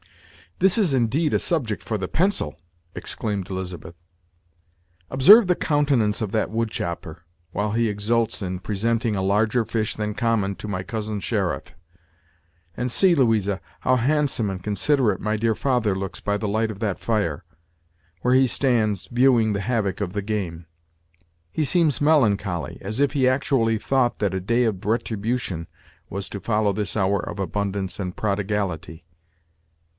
"This is indeed a subject for the pencil!" exclaimed Elizabeth. "Observe the countenance of that woodchopper, while he exults in presenting a larger fish than common to my cousin sheriff; and see, Louisa, how hand some and considerate my dear father looks, by the light of that fire, where he stands viewing the havoc of the game. He seems melancholy, as if he actually thought that a day of retribution was to follow this hour of abundance and prodigality!